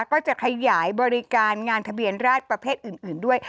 ก็จะขยายบริการงานทะเบียนราชประเภทอื่นด้วย